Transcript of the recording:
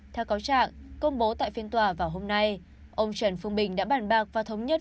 theo cáo trạng công bố tại phiên tòa vào hôm nay ông trần phương bình đã bàn bạc và thống nhất